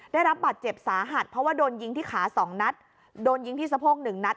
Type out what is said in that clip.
ได้รับบาดเจ็บสาหัสเพราะว่าโดนยิงที่ขา๒นัดโดนยิงที่สะโพกหนึ่งนัด